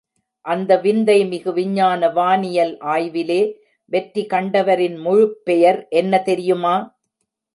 அந்த விந்தை மிகு விஞ்ஞான வானியல் ஆய்விலே வெற்றி கண்டவரின் முழுப்பெயரி என்ன தெரியுமா?